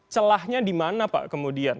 celahnya dimana pak kemudian